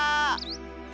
って